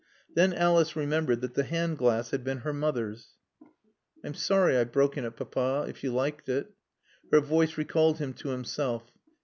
Then Alice remembered that the hand glass had been her mother's. "I'm sorry I've broken it, Papa, if you liked it." Her voice recalled him to himself.